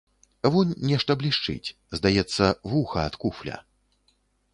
Вунь нешта блішчыць, здаецца, вуха ад куфля.